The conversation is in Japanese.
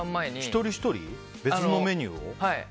一人ひとり別のメニューを？